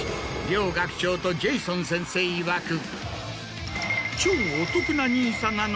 両学長とジェイソン先生いわく。